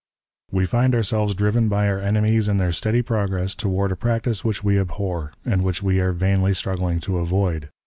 "We find ourselves driven by our enemies in their steady progress toward a practice which we abhor, and which we are vainly struggling to avoid.